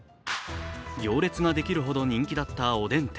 行列ができるほど人気だったおでん店。